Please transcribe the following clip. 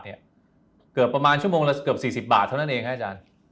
เกือบประมาณชั่วโมงละเกือบ๔๐บาทเท่านั้นเองฮะอาจารย์